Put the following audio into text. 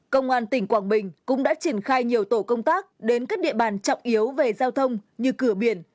công an tỉnh quảng bình cũng đã triển khai nhiều tổ công tác đến các địa bàn trọng yếu về giao thông như cửa biển